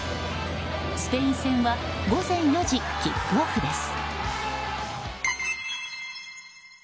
スペイン戦は午前４時キックオフです。